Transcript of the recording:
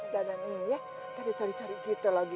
dan ini ya tadi cari cari kita lagi